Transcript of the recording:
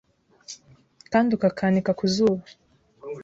kandi ukakanika ku zuba